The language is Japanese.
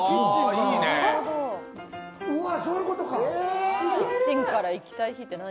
そういうことか。